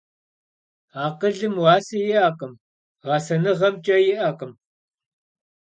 Akhılım vuase yi'ekhım, ğesenığem ç'e yi'ekhım.